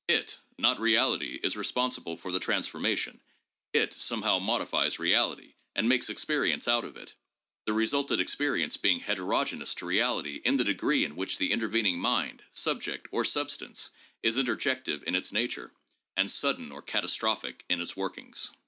It, not reality, is responsible for the transforma tion; it somehow modifies reality and makes experience out of it, the resultant experience being heterogeneous to reality in the degree in which the intervening mind, subject, or substance, is interjective in its nature, and sudden or catastrophic in its workings.